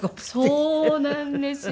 そうなんですよ